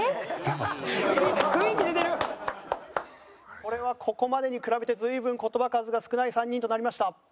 これはここまでに比べて随分言葉数が少ない３人となりました。